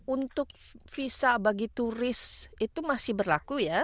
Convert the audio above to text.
untuk visa bagi turis itu masih berlaku ya